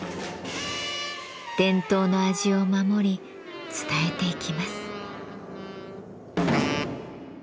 伝統の味を守り伝えていきます。